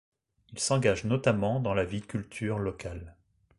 Il s'engage notamment dans la vie culture locale.